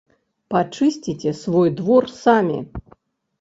Пачысціце свой двор самі.